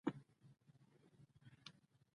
نه پوهېږي حق کومه ډله کې دی.